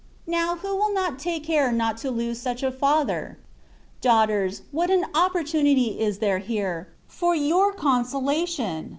Now, who will not take care not to lose such a Fath^? Daughters, what an op portunity is there here, for your conscdatioa!